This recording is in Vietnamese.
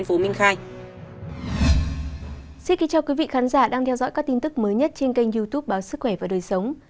thưa quý vị khán giả đang theo dõi các tin tức mới nhất trên kênh youtube báo sức khỏe và đời sống